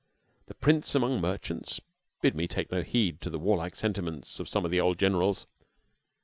The prince among merchants bid me take no heed to the warlike sentiments of some of the old generals.